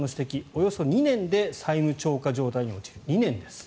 およそ２年で債務超過状態に陥る２年です。